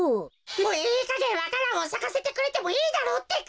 もういいかげんわか蘭をさかせてくれてもいいだろうってか。